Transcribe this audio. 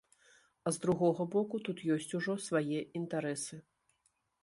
А з другога боку, тут ёсць ужо свае інтарэсы.